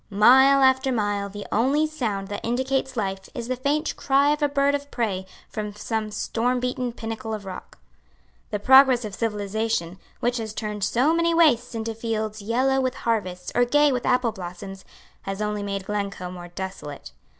Mile after mile the only sound that indicates life is the faint cry of a bird of prey from some stormbeaten pinnacle of rock. The progress of civilisation, which has turned so many wastes into fields yellow with harvests or gay with apple blossoms, has only made Glencoe more desolate.